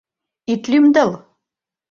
Ит лӱмдыл!